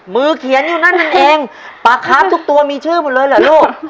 เขียนอยู่นั่นนั่นเองปลาครับทุกตัวมีชื่อหมดเลยเหรอลูก